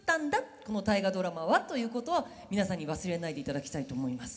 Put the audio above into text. この『大河ドラマ』は」ということは皆さんに忘れないでいただきたいと思います。